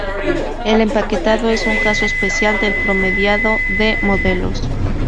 El empaquetado es un caso especial del promediado de modelos.